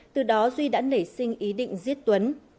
từ đó duy đã nảy sinh ý định giết tuấn